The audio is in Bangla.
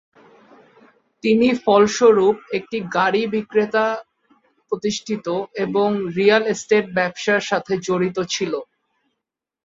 তিনি ফলস্বরূপ একটি গাড়ী বিক্রেতা প্রতিষ্ঠিত, এবং রিয়েল এস্টেট ব্যবসার সাথে জড়িত ছিল।